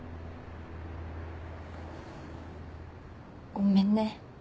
ごめんね。